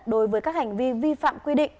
đối với các hành vi vi phạm quy định